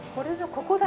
ここだ。